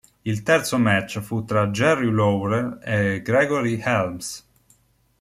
Il terzo match fu tra Jerry Lawler e Gregory Helms.